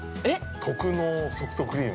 特濃ソフトクリーム。